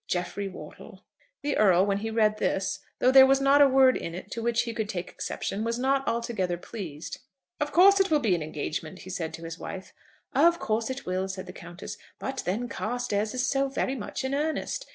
"JEFFREY WORTLE." The Earl, when he read this, though there was not a word in it to which he could take exception, was not altogether pleased. "Of course it will be an engagement," he said to his wife. "Of course it will," said the Countess. "But then Carstairs is so very much in earnest.